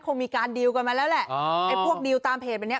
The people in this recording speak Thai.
คงมีการกันมาแล้วแหละอ๋อไอ้พวกตามเพจแบบเนี้ย